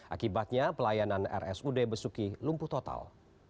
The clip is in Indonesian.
akibatnya pelayanan rsud besuki lumpuh total